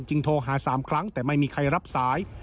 โทรหา๓ครั้งแต่ไม่มีใครรับสาย